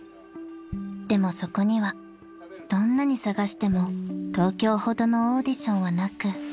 ［でもそこにはどんなに探しても東京ほどのオーディションはなく］